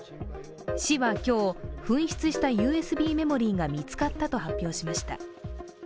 市は今日、紛失したＵＳＢメモリーが見つかったと発表しました。